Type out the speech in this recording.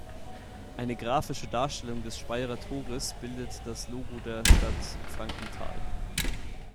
Eine graphische Darstellung des Speyerer Tores bildet das Logo der Stadt Frankenthal.